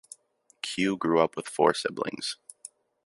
Q grew up with four siblings.